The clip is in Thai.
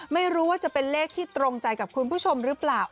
ไม่รู้ว่าจะเป็นเลขที่ตรงใจกับคุณผู้ชมหรือเปล่า